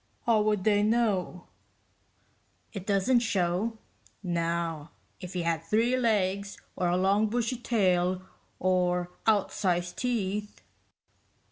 "How would they know? It doesn't show. Now if you had three legs, or a long bushy tail, or outsized teeth...."